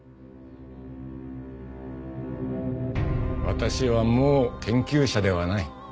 わたしはもう研究者ではない。